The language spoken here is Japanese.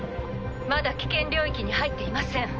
まだ危険領域に入っていません。